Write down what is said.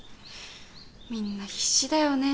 みんな必死だよね